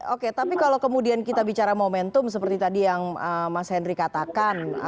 oke tapi kalau kemudian kita bicara momentum seperti tadi yang mas henry katakan